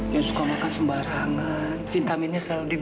yang suka makan sembarangan vitaminnya selalu diberikan